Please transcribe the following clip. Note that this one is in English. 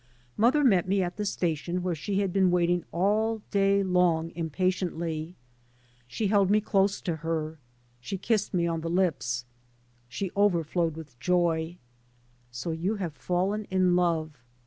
Mother met me at the station where she had been waiting all day long impatiently. She held me close to her. She kissed me on the lips. She overflowed with joy. " So you have fallen in love.